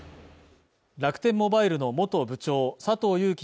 楽天モバイルの元部長佐藤友紀